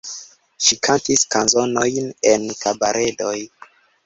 Ŝi kantis kanzonojn en kabaredoj.